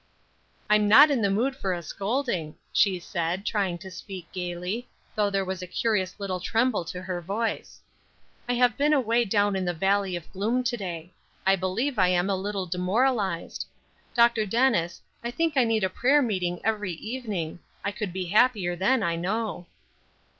"I'm not in the mood for a scolding," she said, trying to speak gayly, though there was a curious little tremble to her voice. "I have been away down in the valley of gloom to day. I believe I am a little demoralized. Dr. Dennis, I think I need a prayer meeting every evening; I could be happier then, I know."